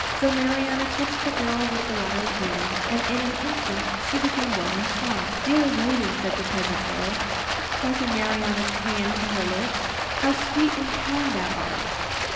So Marianna touched the girl with the water of healing, and in an instant she became well and strong. "Dear lady," said the peasant girl, pressing Marianna's hand to her lips, "how sweet and kind thou art!